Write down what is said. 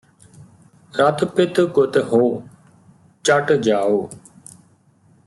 ਰਤਿ ਪਿਤ ਕੁਤਿ ਹੋ ਚਟਿ ਜਾਉ